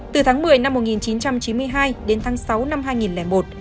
từ tháng một mươi năm một nghìn chín trăm chín mươi hai đến tháng sáu năm hai nghìn một